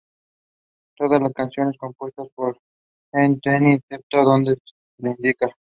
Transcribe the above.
Todas las canciones compuestas por Jeff Tweedy, excepto donde se indica.